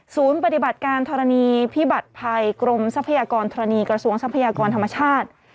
ปฏิบัติการธรณีพิบัติภัยกรมทรัพยากรธรณีกระทรวงทรัพยากรธรรมชาติ